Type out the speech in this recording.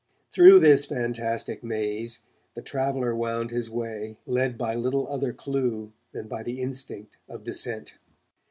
Through this fantastic maze the traveller wound his way, led by little other clue than by the instinct of descent.